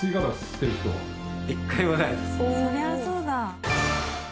そりゃそうだ！